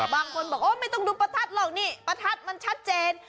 บางคนบอกว่าไม่ต้องดูประทัดหรอกนี่ประทัดมันชัดเจน